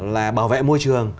là bảo vệ môi trường